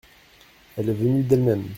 Elle est venue d’elle-même.